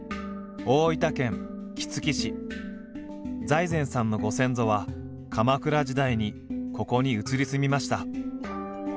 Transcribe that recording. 財前さんのご先祖は鎌倉時代にここに移り住みました。